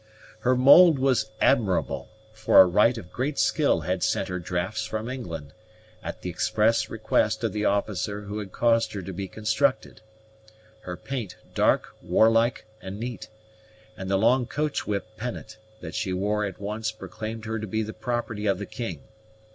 Her mould was admirable, for a wright of great skill had sent her drafts from England, at the express request of the officer who had caused her to be constructed; her paint dark, warlike, and neat; and the long coach whip pennant that she wore at once proclaimed her to be the property of the king.